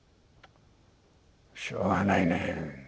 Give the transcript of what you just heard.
しょうがないね。